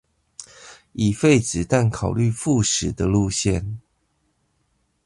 已廢止但考慮復駛的路線